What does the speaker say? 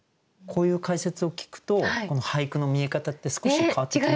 こういう解説を聞くとこの俳句の見え方って少し変わってきませんか？